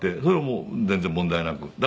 それもう全然問題なく。